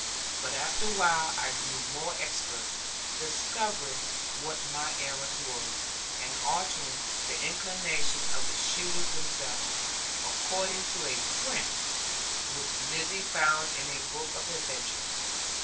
But after a while I grew more expert, discovering what my errors were, and altering the inclination of the shoes themselves, according to a print which Lizzie found in a book of adventures.